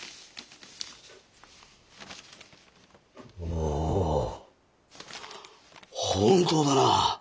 おお本当だな。